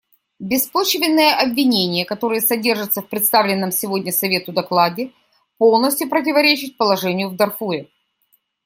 Беспочвенные обвинения, которые содержатся в представленном сегодня Совету докладе, полностью противоречат положению в Дарфуре.